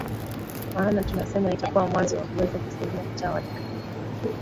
maana tunasema itakuwa mwanzo wa kuweza kusaidia mtaa wa likale